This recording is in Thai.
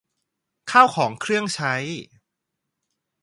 ข้าวของเครื่องใช้